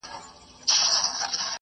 آیا غرنۍ چینه تر څاه پاکي اوبه لري؟